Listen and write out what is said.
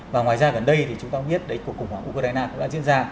và ngoài ra gần đây thì chúng ta cũng biết đấy cuộc khủng hoảng ukraine cũng đã diễn ra